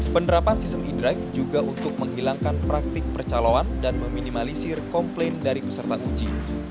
penerapan sistem e drive juga untuk menghilangkan praktik percaloan dan meminimalisir komplain dari peserta uji